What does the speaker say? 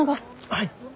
はい。